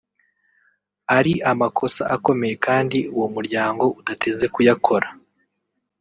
ari amakosa akomeye kandi uwo muryango udateze kuyakora